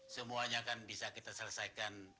semuanya kan bisa kita selesaikan